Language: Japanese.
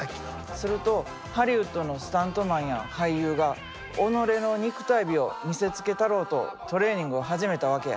するとハリウッドのスタントマンや俳優が己の肉体美を見せつけたろうとトレーニングを始めたわけや。